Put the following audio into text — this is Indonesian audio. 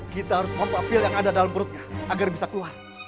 kita harus membawa pil yang ada dalam perutnya agar bisa keluar